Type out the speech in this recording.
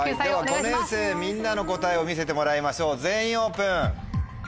では５年生みんなの答えを見せてもらいましょう全員オープン。